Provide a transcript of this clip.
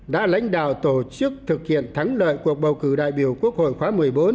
đã lãnh đạo tổ chức thực hiện thắng lợi cuộc bầu cử đại biểu quốc hội khóa một mươi bốn